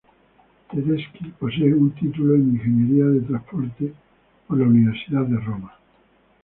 Tedeschi posee un título en Ingeniería de Transporte de la Universidad de Roma.